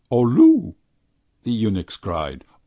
"Olu" the eunuchs cried.